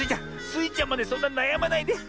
スイちゃんまでそんななやまないで。